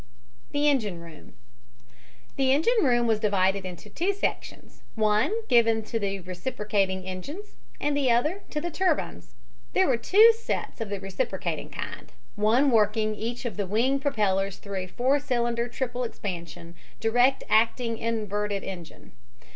THE ENGINE ROOM The engine room was divided into two sections, one given to the reciprocating engines and the other to the turbines. There were two sets of the reciprocating kind, one working each of the wing propellers through a four cylinder triple expansion, direct acting inverted engine.